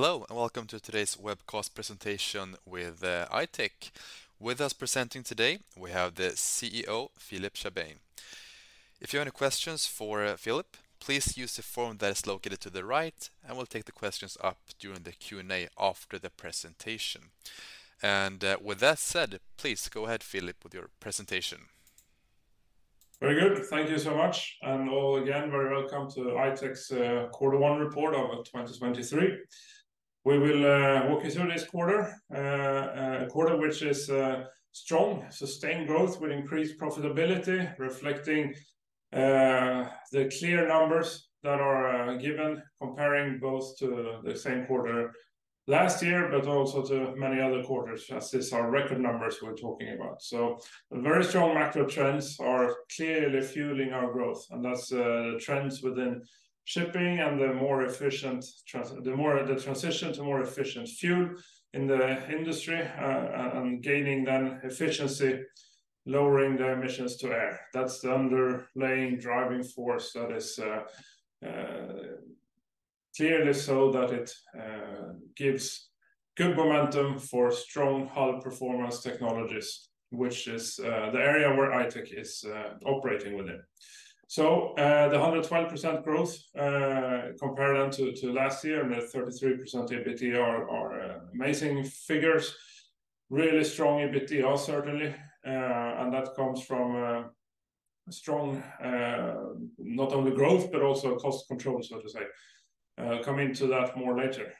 Hello and welcome to today's webcast presentation with I-Tech. With us presenting today, we have the CEO, Philip Chaabane. If you have any questions for Philip, please use the form that is located to the right, and we'll take the questions up during the Q&A after the presentation. With that said, please go ahead, Philip, with your presentation. Very good. Thank you so much. All again, very welcome to I-Tech's quarter one report of 2023. We will walk you through this quarter, a quarter which is strong, sustained growth with increased profitability, reflecting the clear numbers that are given comparing both to the same quarter last year, but also to many other quarters as this are record numbers we're talking about. Very strong macro trends are clearly fueling our growth, and that's trends within shipping and the transition to more efficient fuel in the industry, and gaining then efficiency, lowering their emissions to air. That's the underlying driving force that is clearly so that it gives good momentum for strong hull performance technologies, which is the area where I-Tech is operating within. The 112% growth compared then to last year and the 33% EBITDA are amazing figures. Really strong EBITDA, certainly. And that comes from a strong not only growth, but also cost control, so to say. Come into that more later.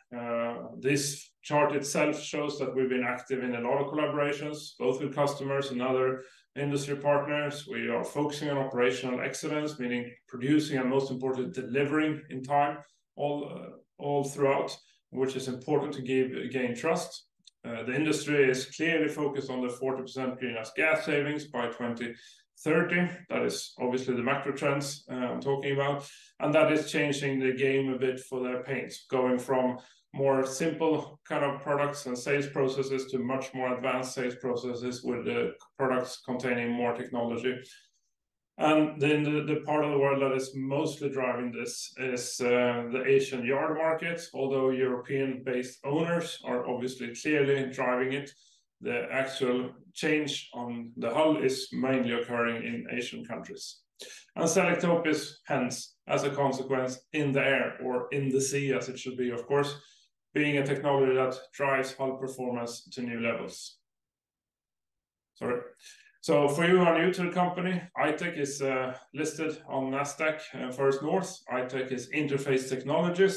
This chart itself shows that we've been active in a lot of collaborations, both with customers and other industry partners. We are focusing on operational excellence, meaning producing and most importantly, delivering in time all throughout, which is important to gain trust. The industry is clearly focused on the 40% greenhouse gas savings by 2030. That is obviously the macro trends I'm talking about. That is changing the game a bit for their paints, going from more simple kind of products and sales processes to much more advanced sales processes with the products containing more technology. The part of the world that is mostly driving this is the Asian yard markets, although European-based owners are obviously clearly driving it. The actual change on the hull is mainly occurring in Asian countries. Selektope is hence, as a consequence, in the air or in the sea, as it should be, of course, being a technology that drives hull performance to new levels. Sorry. For you who are new to the company, I-Tech is listed on Nasdaq First North. I-Tech is Interface Technologies.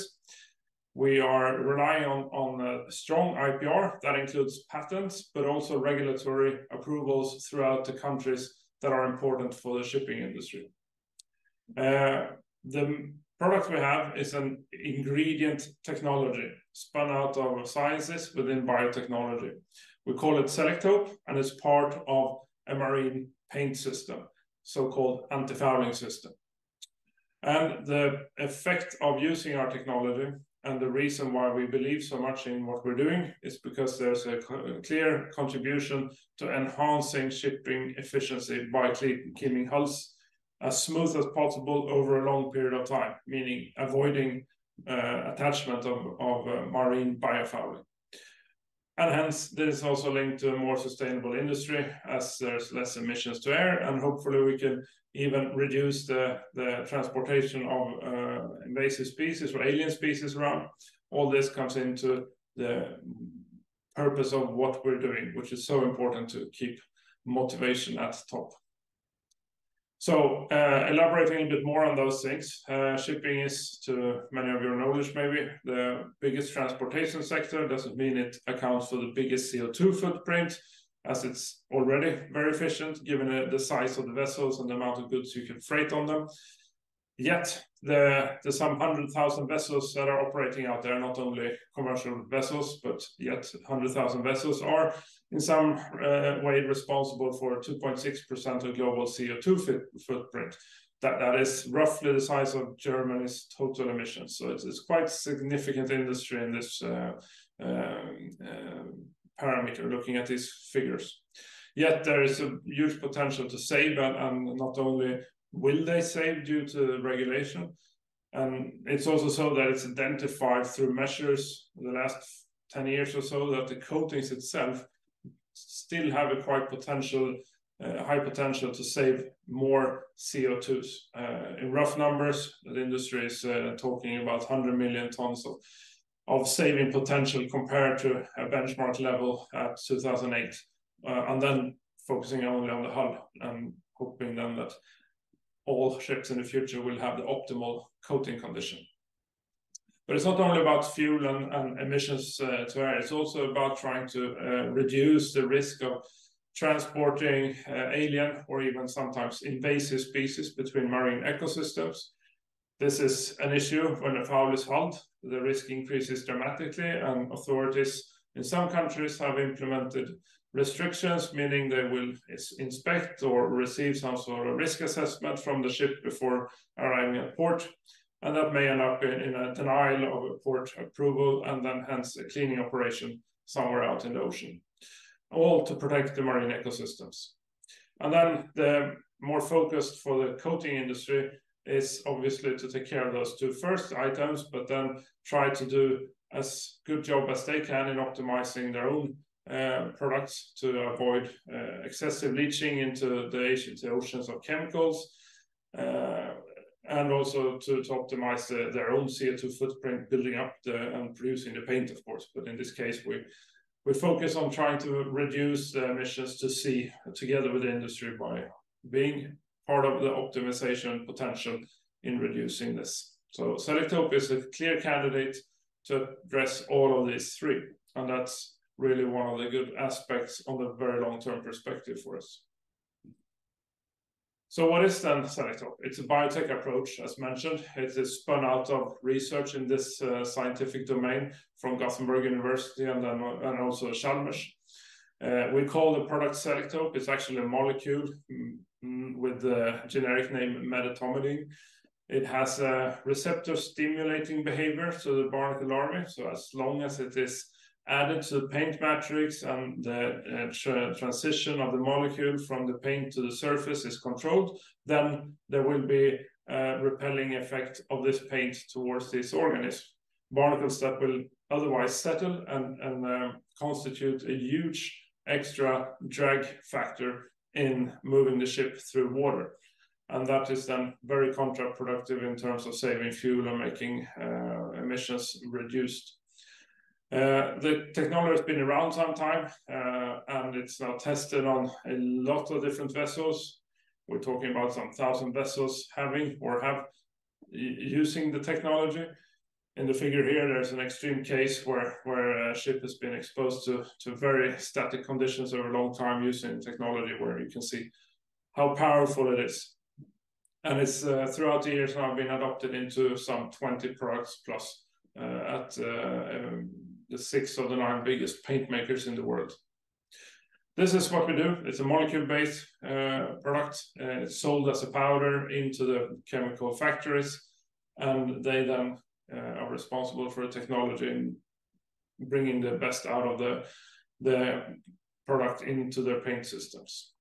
We are relying on a strong IPR that includes patents, but also regulatory approvals throughout the countries that are important for the shipping industry. The product we have is an ingredient technology spun out of sciences within biotechnology. We call it Selektope, and it's part of a marine paint system, so-called antifouling system. The effect of using our technology and the reason why we believe so much in what we're doing is because there's a clear contribution to enhancing shipping efficiency by keeping hulls as smooth as possible over a long period of time, meaning avoiding attachment of marine biofouling. Hence, this is also linked to a more sustainable industry as there's less emissions to air, and hopefully, we can even reduce the transportation of invasive species or alien species around. All this comes into the purpose of what we're doing, which is so important to keep motivation at the top. Elaborating a bit more on those things. Shipping is, to many of your knowledge maybe, the biggest transportation sector. Doesn't mean it accounts for the biggest CO2 footprint, as it's already very efficient given the size of the vessels and the amount of goods you can freight on them. Yet, the some 100,000 vessels that are operating out there, not only commercial vessels, but yet 100,000 vessels are in some way responsible for 2.6% of global CO2 footprint. That is roughly the size of Germany's total emissions. It's quite significant industry in this parameter, looking at these figures. There is a huge potential to save, not only will they save due to the regulation, it's also so that it's identified through measures in the last 10 years or so that the coatings itself still have a quite potential, high potential to save more CO2s. In rough numbers, the industry is talking about 100 million tons of saving potential compared to a benchmark level at 2008. Focusing only on the hull and hoping then that all ships in the future will have the optimal coating condition. It's not only about fuel and emissions to air, it's also about trying to reduce the risk of transporting alien or even sometimes invasive species between marine ecosystems. This is an issue. When a foul is hulled, the risk increases dramatically, Authorities in some countries have implemented restrictions, meaning they will inspect or receive some sort of risk assessment from the ship before arriving at port. That may end up in a denial of a port approval and then hence a cleaning operation somewhere out in the ocean, all to protect the marine ecosystems. The more focused for the coating industry is obviously to take care of those two first items, but then try to do as good job as they can in optimizing their own products to avoid excessive leaching into the oceans of chemicals. Also to optimize their own CO2 footprint, building up the, and producing the paint, of course. In this case, we focus on trying to reduce the emissions to sea together with the industry by being part of the optimization potential in reducing this. Selektope is a clear candidate to address all of these three, and that's really one of the good aspects on the very long-term perspective for us. What is then Selektope? It's a biotech approach, as mentioned. It is spun out of research in this scientific domain from University of Gothenburg and also Chalmers. We call the product Selektope. It's actually a molecule with the generic name medetomidine. It has a receptor-stimulating behavior, so the barnacle army. As long as it is added to the paint matrix and the transition of the molecule from the paint to the surface is controlled, then there will be a repelling effect of this paint towards this organism. Barnacles that will otherwise settle and constitute a huge extra drag factor in moving the ship through water. That is then very counterproductive in terms of saving fuel and making emissions reduced. The technology has been around some time and it's now tested on a lot of different vessels. We're talking about some 1,000 vessels using the technology. In the figure here, there's an extreme case where a ship has been exposed to very static conditions over a long time using technology where you can see how powerful it is. It's throughout the years now been adopted into some 20 products plus at the six of the nine biggest paint makers in the world. This is what we do. It's a molecule-based product. It's sold as a powder into the chemical factories, and they then are responsible for the technology and bringing the best out of the product into their paint systems.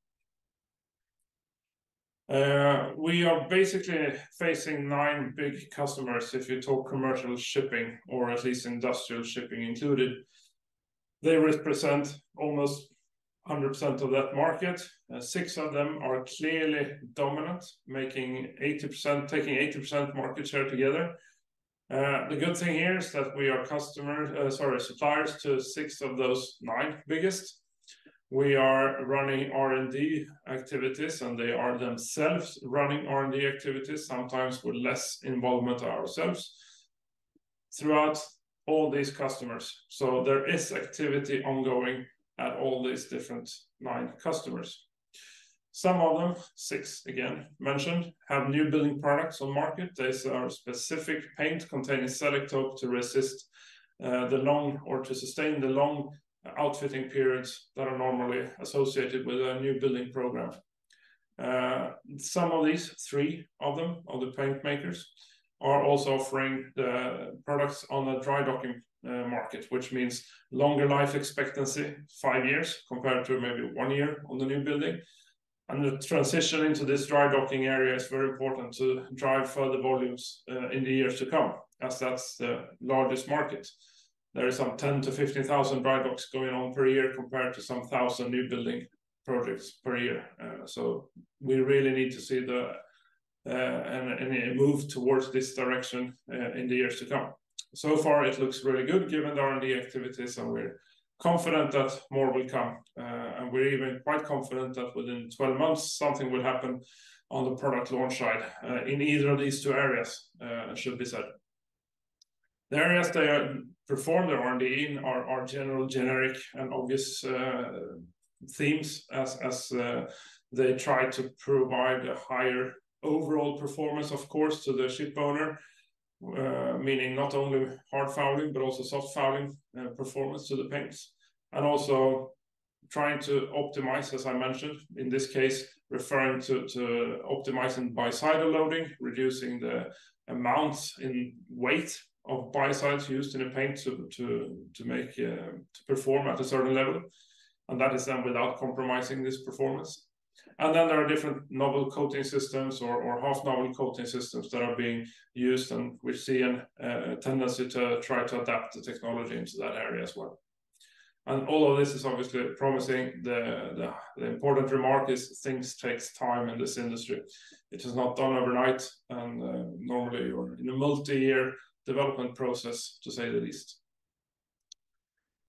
We are basically facing nine big customers, if you talk commercial shipping or at least industrial shipping included. They represent almost 100% of that market. Six of them are clearly dominant, taking 80% market share together. The good thing here is that we are customers, sorry, suppliers to six of those nine biggest. We are running R&D activities, and they are themselves running R&D activities, sometimes with less involvement ourselves throughout all these customers. There is activity ongoing at all these different nine customers. Some of them, six again mentioned, have new building products on market. There's a specific paint containing Selektope to resist the long or to sustain the long outfitting periods that are normally associated with a newbuilding program. Some of these, three of them, of the paint makers, are also offering the products on the dry docking market, which means longer life expectancy, five years, compared to maybe one year on the newbuilding. The transition into this dry docking area is very important to drive further volumes in the years to come, as that's the largest market. There is some 10,000-15,000 dry docks going on per year compared to some 1,000 newbuilding projects per year. We really need to see the and a move towards this direction in the years to come. Far, it looks really good given the R&D activities, and we're confident that more will come. We're even quite confident that within 12 months, something will happen on the product launch side, in either of these two areas, should be said. The areas they perform the R&D in are general, generic, and obvious themes as they try to provide a higher overall performance, of course, to the ship owner, meaning not only hard fouling, but also soft fouling performance to the paints. Also trying to optimize, as I mentioned, in this case, referring to optimizing biocidal loading, reducing the amount in weight of biocides used in a paint to perform at a certain level. That is then without compromising this performance. Then there are different novel coating systems or half novel coating systems that are being used, and we see a tendency to try to adapt the technology into that area as well. All of this is obviously promising. The important remark is things takes time in this industry. It is not done overnight and normally, or in a multi-year development process, to say the least.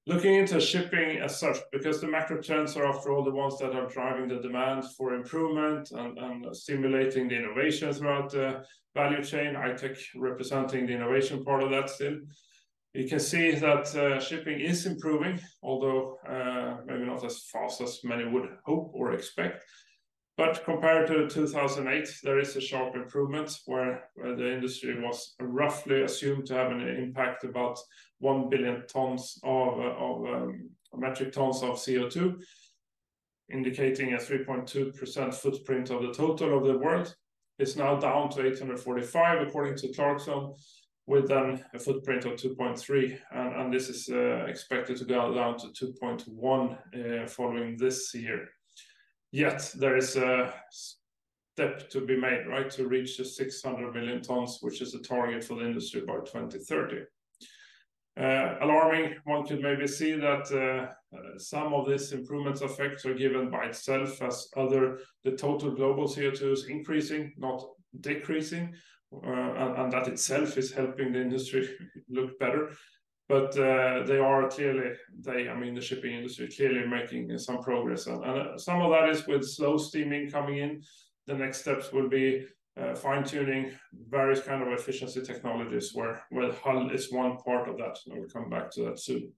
Looking into shipping as such, because the macro trends are, after all, the ones that are driving the demand for improvement and stimulating the innovation throughout the value chain, I-Tech representing the innovation part of that still. You can see that shipping is improving, although maybe not as fast as many would hope or expect. Compared to 2008, there is a sharp improvement where the industry was roughly assumed to have an impact about one billion tons of metric tons of CO2, indicating a 3.2% footprint of the total of the world. It's now down to 845 according to Clarksons, with a footprint of 2.3% and this is expected to go down to 2.1% following this year. There is a step to be made, right, to reach the 600 million tons, which is a target for the industry by 2030. Alarming, one could maybe see that some of these improvements effects are given by itself as the total global CO2 is increasing, not decreasing. That itself is helping the industry look better. They are clearly, I mean, the shipping industry, clearly making some progress. Some of that is with slow steaming coming in. The next steps will be, fine-tuning various kind of efficiency technologies, where hull is one part of that, and we'll come back to that soon.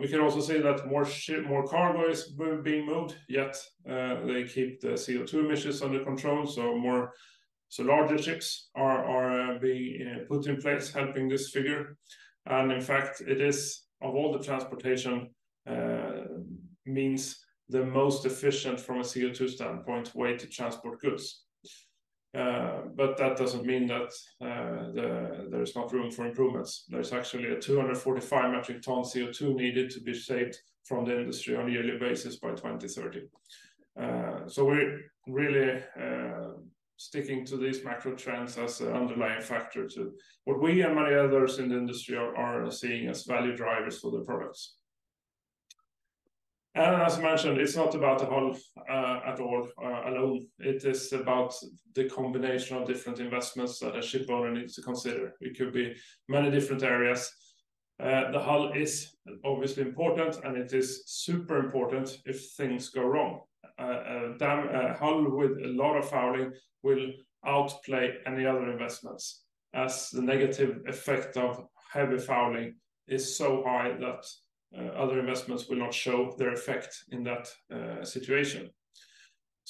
We can also see that more cargo is being moved, yet, they keep the CO2 emissions under control, so larger ships are, being, put in place, helping this figure. In fact, it is, of all the transportation, means the most efficient from a CO2 standpoint, way to transport goods. That doesn't mean that, there is not room for improvements. There's actually a 245 metric tons CO2 needed to be saved from the industry on a yearly basis by 2030. We're really sticking to these macro trends as an underlying factor to what we and many others in the industry are seeing as value drivers for the products. As mentioned, it's not about the hull at all alone. It is about the combination of different investments that a ship owner needs to consider. It could be many different areas. The hull is obviously important, and it is super important if things go wrong. Damn, a hull with a lot of fouling will outplay any other investments, as the negative effect of heavy fouling is so high that other investments will not show their effect in that situation.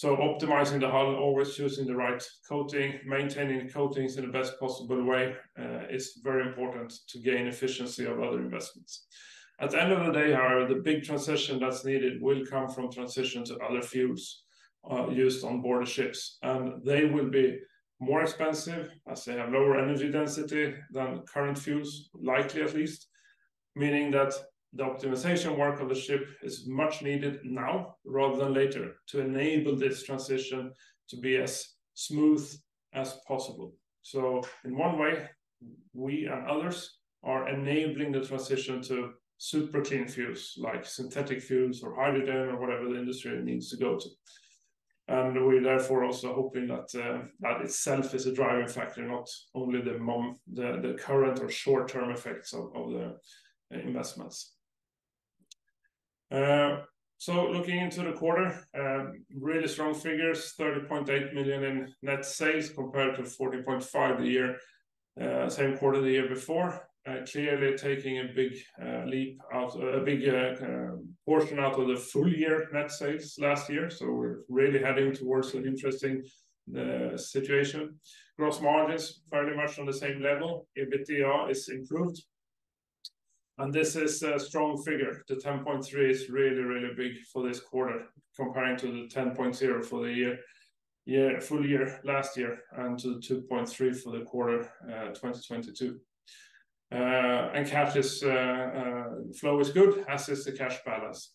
Optimizing the hull, always choosing the right coating, maintaining the coatings in the best possible way, is very important to gain efficiency of other investments. At the end of the day, however, the big transition that's needed will come from transition to other fuels, used on board of ships, and they will be more expensive as they have lower energy density than current fuels, likely at least, meaning that the optimization work of the ship is much needed now rather than later to enable this transition to be as smooth as possible. In one way, we and others are enabling the transition to super clean fuels like synthetic fuels or hydrogen or whatever the industry needs to go to. We're therefore also hoping that that itself is a driving factor, not only the current or short-term effects of the investments. Looking into the quarter, really strong figures, 30.8 million in net sales compared to 14.5 million the same quarter the year before. Clearly taking a big leap out—a big portion out of the full year net sales last year. We're really heading towards an interesting situation. Gross margins fairly much on the same level. EBITDA is improved. This is a strong figure. The 10.3 million is really, really big for this quarter comparing to the 10.0 million for the full year last year and to the 2.3 million for the quarter 2022. Cash flow is good, as is the cash balance.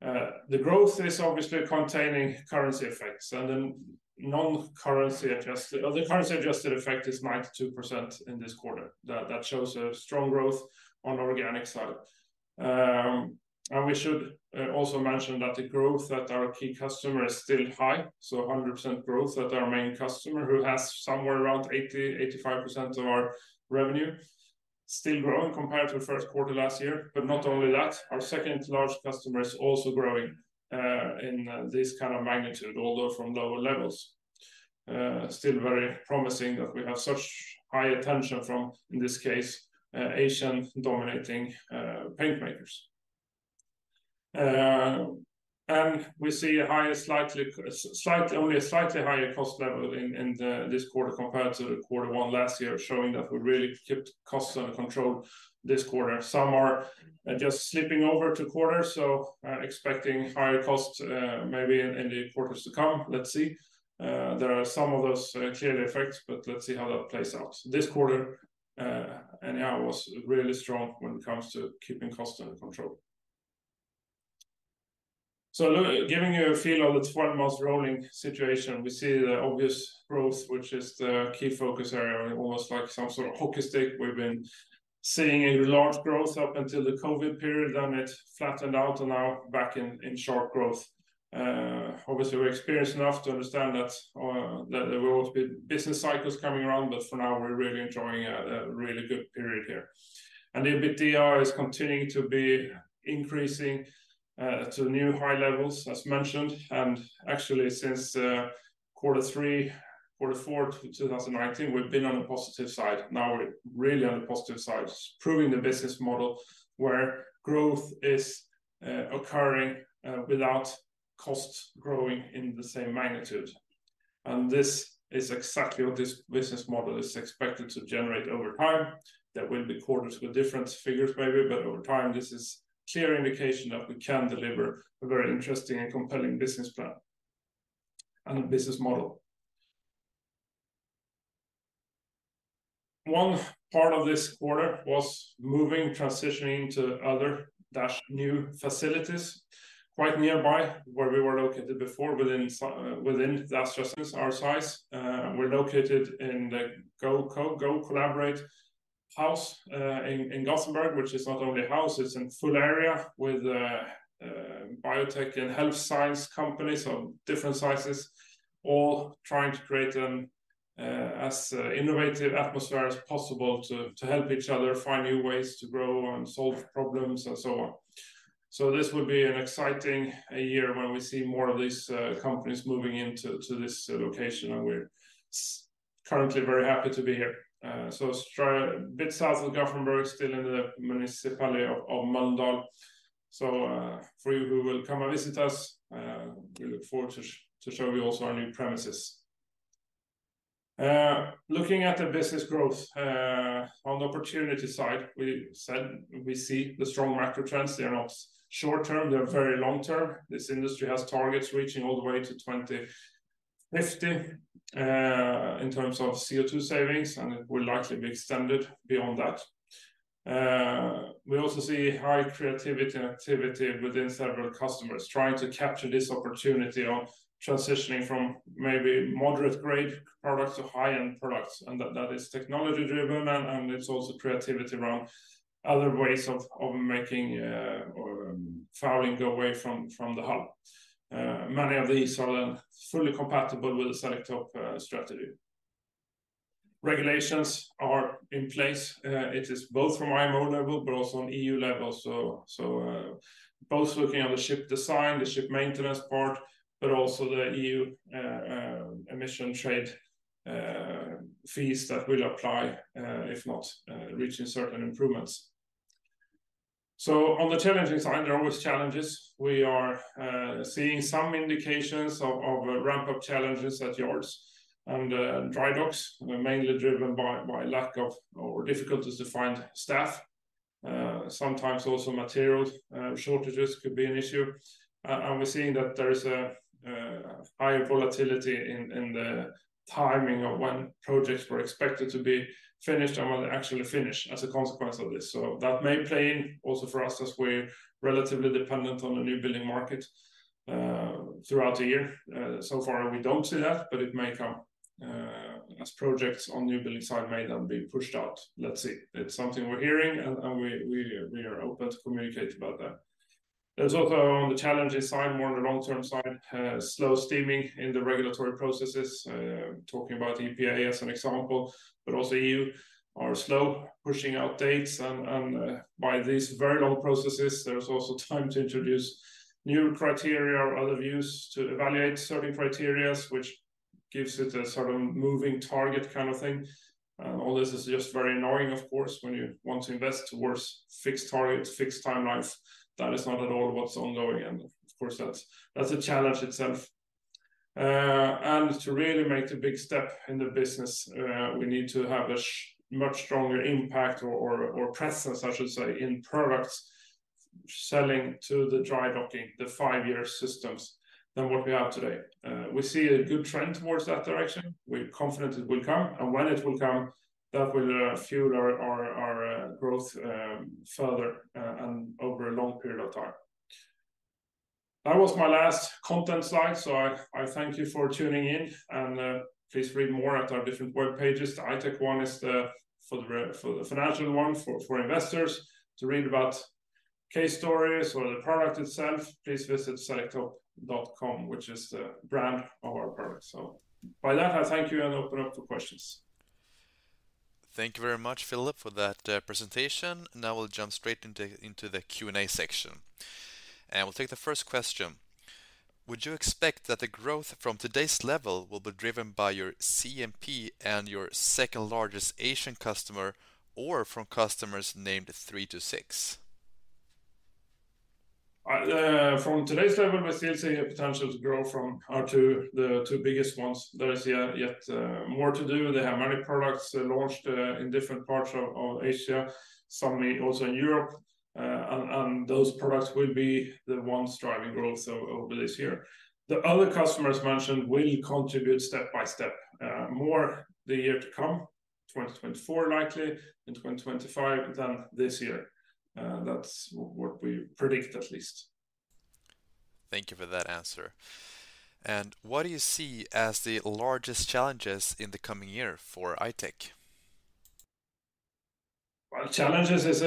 The growth is obviously containing currency effects and the non-currency adjusted or the currency adjusted effect is 92% in this quarter. That shows a strong growth on organic side. We should also mention that the growth at our key customer is still high, so a 100% growth at our main customer who has somewhere around 80%-85% of our revenue still growing compared to the first quarter last year. Not only that, our second-largest customer is also growing in this kind of magnitude, although from lower levels. Still very promising that we have such high attention from, in this case, Asian-dominating, paint makers. We see a higher, a slightly higher cost level in this quarter compared to the quarter one last year, showing that we really kept costs under control this quarter. Some are just slipping over to quarter, so, expecting higher costs maybe in the quarters to come. Let's see. There are some of those clear effects, but let's see how that plays out. This quarter, anyhow, was really strong when it comes to keeping cost under control. Look, giving you a feel of the frontmost rolling situation, we see the obvious growth, which is the key focus area, and almost like some sort of hockey stick. We've been seeing a large growth up until the COVID period, then it flattened out and now back in sharp growth. Obviously, we're experienced enough to understand that there will always be business cycles coming around, but for now, we're really enjoying a really good period here. The EBITDA is continuing to be increasing to new high levels, as mentioned. Actually, since quarter three, quarter four 2019, we've been on the positive side. Now we're really on the positive side, proving the business model where growth is occurring without costs growing in the same magnitude. This is exactly what this business model is expected to generate over time. There will be quarters with different figures maybe, but over time, this is clear indication that we can deliver a very interesting and compelling business plan and a business model. One part of this quarter was moving, transitioning to other new facilities quite nearby where we were located before. That's just our size. We're located in the GoCo House in Gothenburg, which is not only a house, it's in full area with biotech and health science companies of different sizes all trying to create an as innovative atmosphere as possible to help each other find new ways to grow and solve problems and so on. This would be an exciting year when we see more of these companies moving into this location, and we're currently very happy to be here. It's a bit south of Gothenburg, still in the municipality of Mölndal. For you who will come and visit us, we look forward to show you also our new premises. Looking at the business growth, on the opportunity side, we see the strong macro trends. They are not short-term. They are very long-term. This industry has targets reaching all the way to 2050, in terms of CO2 savings, it will likely be extended beyond that. We also see high creativity and activity within several customers trying to capture this opportunity of transitioning from maybe moderate-grade products to high-end products, and that is technology-driven and it's also creativity around other ways of making or fouling go away from the hull. Many of these are then fully compatible with the Selektope strategy. Regulations are in place. It is both from IMO level but also on EU level. Both looking at the ship design, the ship maintenance part, but also the EU Emissions Trading System fees that will apply if not reaching certain improvements. On the challenging side, there are always challenges. We are seeing some indications of ramp-up challenges at yards and dry docks, mainly driven by lack of or difficulties to find staff. Sometimes also materials shortages could be an issue. We're seeing that there is a high volatility in the timing of when projects were expected to be finished and when they actually finish as a consequence of this. That may play in also for us as we're relatively dependent on the newbuilding market throughout the year. So far we don't see that, but it may come as projects on newbuilding side may then be pushed out. Let's see. It's something we're hearing and we, we are open to communicate about that. There's also on the challenges side, more on the long-term side, slow steaming in the regulatory processes, talking about EPA as an example. Also EU are slow pushing out dates and, by these very long processes, there's also time to introduce new criteria or other views to evaluate certain criterias, which gives it a sort of moving target kind of thing. All this is just very annoying, of course, when you want to invest towards fixed targets, fixed timelines. That is not at all what's ongoing. Of course, that's a challenge itself. To really make the big step in the business, we need to have a much stronger impact or presence, I should say, in products selling to the dry docking, the five-year systems than what we have today. We see a good trend towards that direction. We're confident it will come. When it will come, that will fuel our growth further. Over a long period of time. That was my last content slide. I thank you for tuning in, please read more at our different web pages. The I-Tech one is the for the financial one. For investors. To read about case stories or the product itself, please visit selektope.com, which is the brand of our product. By that, I thank you and open up for questions. Thank you very much, Philip, for that presentation. Now we'll jump straight into the Q&A section. We'll take the first question. Would you expect that the growth from today's level will be driven by your CMP and your second-largest Asian customer or from customers named three to six? From today's level, we still see a potential to grow from our the two biggest ones. There is, yeah, yet, more to do. They have many products, launched, in different parts of Asia, some also in Europe. And those products will be the ones driving growth over this year. The other customers mentioned will contribute step by step, more the year to come, 2024 likely and 2025 than this year. That's what we predict at least. Thank you for that answer. What do you see as the largest challenges in the coming year for I-Tech? Well, challenges is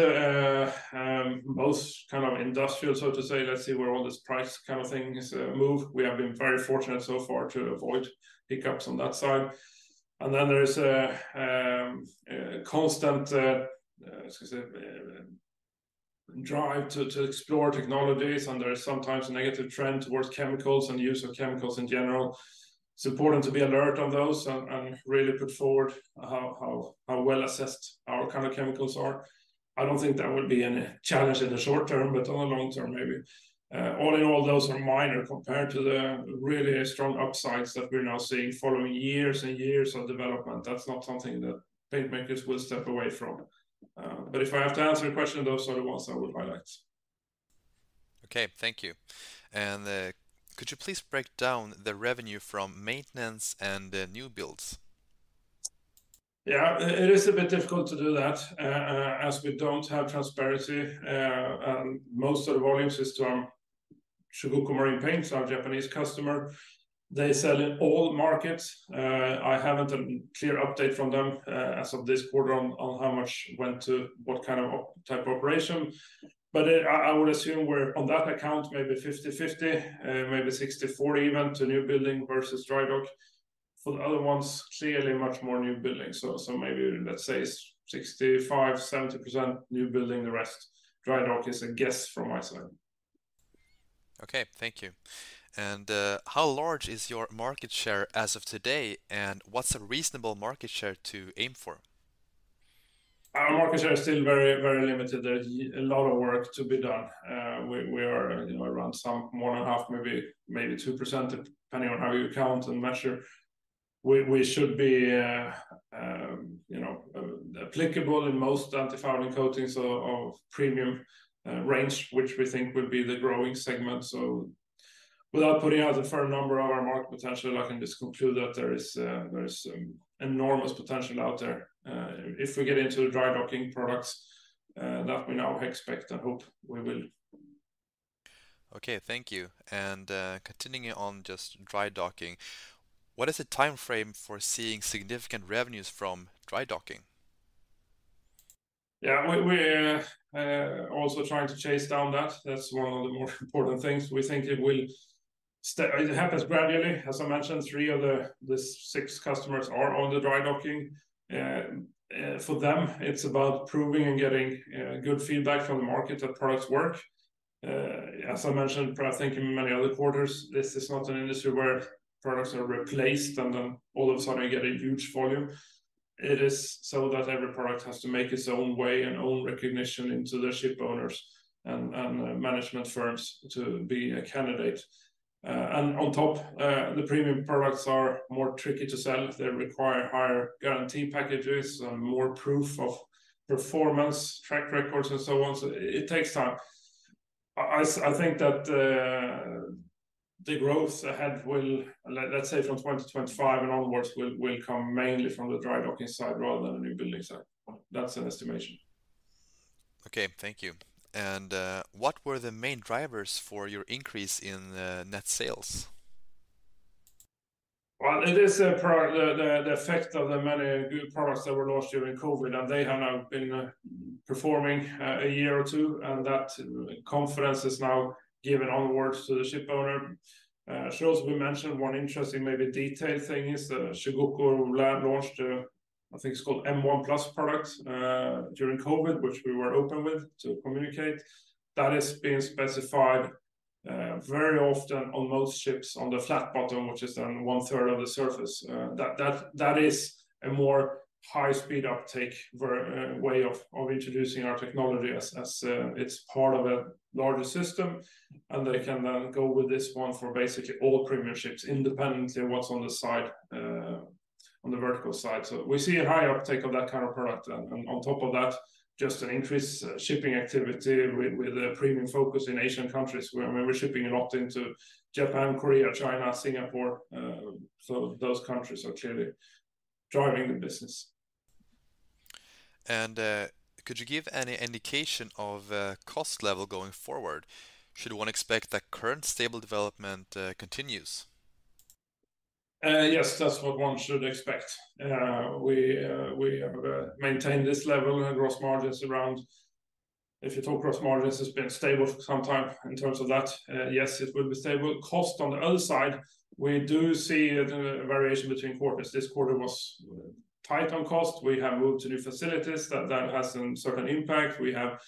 most kind of industrial, so to say. Let's see where all this price kind of things move. We have been very fortunate so far to avoid hiccups on that side. Then there is a constant I was gonna say drive to explore technologies, and there is sometimes a negative trend towards chemicals and use of chemicals in general. It's important to be alert on those and really put forward how well-assessed our kind of chemicals are. I don't think that will be any challenge in the short term, but on the long term, maybe. All in all, those are minor compared to the really strong upsides that we're now seeing following years and years of development. That's not something that paint makers will step away from. If I have to answer your question, those are the ones I would highlight. Okay. Thank you. Could you please break down the revenue from maintenance and the new builds? Yeah. It is a bit difficult to do that as we don't have transparency. Most of the volumes is from Chugoku Marine Paints, our Japanese customer. They sell in all markets. I haven't a clear update from them as of this quarter on how much went to what kind of type operation. I would assume we're, on that account, maybe 50/50, maybe 60/40 even to newbuilding versus dry dock. For the other ones, clearly much more newbuilding. Maybe let's say 65%, 70% newbuilding. The rest, dry dock, is a guess from my side. Okay. Thank you. How large is your market share as of today, and what's a reasonable market share to aim for? Our market share is still very, very limited. There's a lot of work to be done. We are, you know, around some more than half, maybe 2%, depending on how you count and measure. We should be, you know, applicable in most antifouling coatings of premium range, which we think will be the growing segment. Without putting out a firm number on our market potential, I can just conclude that there is enormous potential out there, if we get into dry-docking products that we now expect and hope we will. Okay, thank you. Continuing on just dry docking, what is the timeframe for seeing significant revenues from dry docking? Yeah. We're also trying to chase down that. That's one of the more important things. We think it happens gradually. As I mentioned, three of the six customers are on the dry docking. For them, it's about proving and getting good feedback from the market that products work. As I mentioned, I think in many other quarters, this is not an industry where products are replaced and then all of a sudden you get a huge volume. It is so that every product has to make its own way and own recognition into their ship owners and management firms to be a candidate. And on top, the premium products are more tricky to sell. They require higher guarantee packages and more proof of performance, track records, and so on. It takes time. I think that, the growth ahead will, let's say from 2020 to 2025 and onwards, will come mainly from the dry-docking side rather than the newbuilding side. That's an estimation. Okay, thank you. What were the main drivers for your increase in, net sales? Well, it is the effect of the many good products that were launched during COVID, and they have now been performing a year or two, and that confidence is now given onwards to the ship owner. It shows, we mentioned one interesting maybe detailed thing is that Chugoku launched, I think it's called M1 PLUS product, during COVID, which we were open with to communicate. That is being specified very often on most ships on the flat bottom, which is on one-third of the surface. That is a more high-speed uptake way of introducing our technology as it's part of a larger system, and they can then go with this one for basically all premium ships independently of what's on the side, on the vertical side. We see a high uptake of that kind of product and on top of that, just an increased shipping activity with a premium focus in Asian countries where, I mean, we're shipping a lot into Japan, Korea, China, Singapore. Those countries are clearly driving the business. Could you give any indication of cost level going forward? Should one expect that current stable development continues? Yes, that's what one should expect. We have maintained this level and gross margins around... If you talk gross margins, it's been stable for some time in terms of that. Yes, it will be stable. Cost on the other side, we do see a variation between quarters. This quarter was tight on cost. We have moved to new facilities. That has some certain impact. We have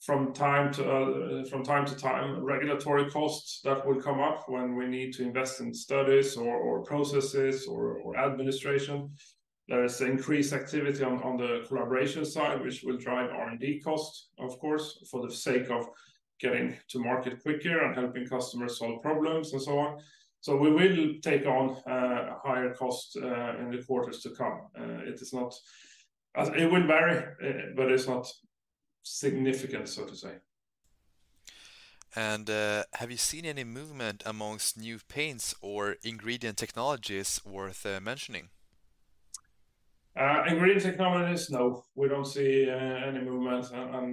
from time to time, regulatory costs that will come up when we need to invest in studies or processes or administration. There is increased activity on the collaboration side, which will drive R&D costs, of course, for the sake of getting to market quicker and helping customers solve problems and so on. We will take on higher costs in the quarters to come. It will vary, but it's not significant, so to say. Have you seen any movement amongst new paints or ingredient technologies worth, mentioning? Ingredient technologies, no. We don't see any movement, and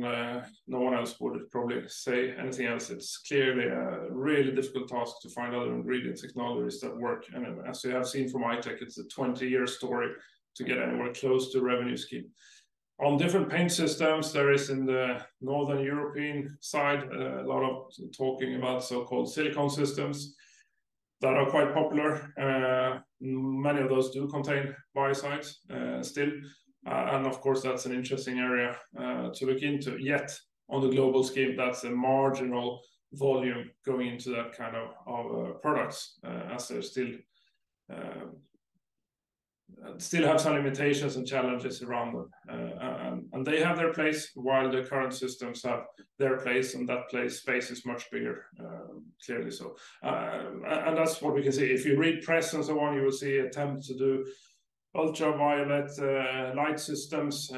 no one else would probably say anything else. It's clearly a really difficult task to find other ingredient technologies that work. As you have seen from I-Tech, it's a 20-year story to get anywhere close to revenue scheme. On different paint systems, there is in the Northern European side a lot of talking about so-called silicone systems that are quite popular. Many of those do contain biocides still. Of course, that's an interesting area to look into. Yet, on the global scheme, that's a marginal volume going into that kind of products, as they're still have some limitations and challenges around them. They have their place, while the current systems have their place, and that place, space is much bigger, clearly so. That's what we can see. If you read press and so on, you will see attempts to do ultraviolet light systems,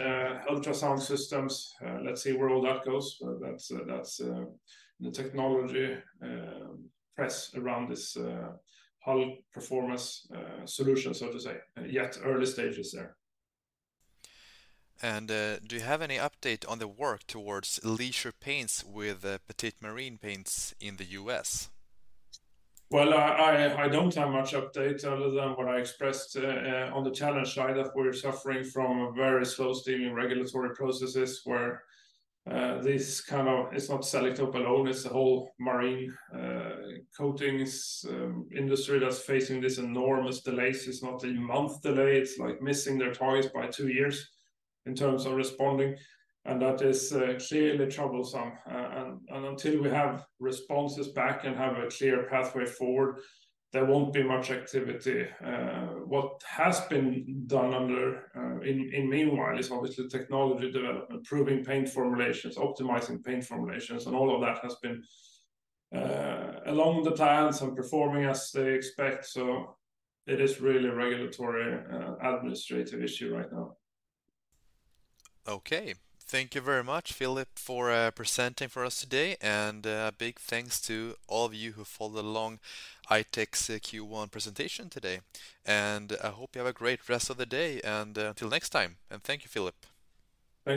ultrasound systems. Let's see where all that goes. That's, that's the technology press around this hull performance solution, so to say. Yet early stages there. Do you have any update on the work towards leisure paints with Pettit Marine Paint in the U.S.? I don't have much update other than what I expressed on the challenge side, that we're suffering from a very slow-steaming regulatory processes where It's not Selektope alone, it's the whole marine coatings industry that's facing these enormous delays. It's not a month delay, it's like missing their targets by 2 years in terms of responding, and that is clearly troublesome. Until we have responses back and have a clear pathway forward, there won't be much activity. What has been done under in meanwhile is obviously technology development, improving paint formulations, optimizing paint formulations, and all of that has been along the plans and performing as they expect. It is really a regulatory administrative issue right now. Okay. Thank you very much, Philip, for presenting for us today. Big thanks to all of you who followed along I-Tech's Q1 presentation today. I hope you have a great rest of the day and until next time. Thank you, Philip.